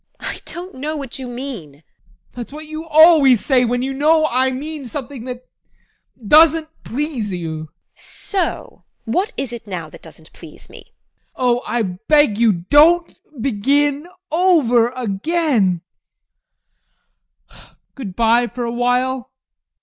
TEKLA. I don't know what you mean. ADOLPH. That's what you always say when you know I mean something that doesn't please you. TEKLA. So o! What is it now that doesn't please me? ADOLPH. Oh, I beg you, don't begin over again Good bye for a while!